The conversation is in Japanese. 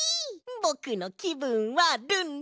ぼくのきぶんはルンルン！